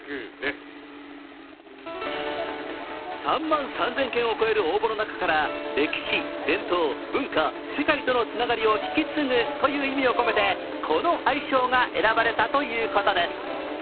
３万３０００件を超える応募の中から歴史・伝統・文化・世界とのつながりを引き継ぐという意味を込めてこの愛称が選ばれたということです。